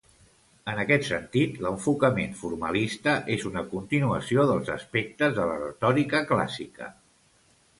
En aquest sentit, l'enfocament formalista és una continuació dels aspectes de la retòrica clàssica.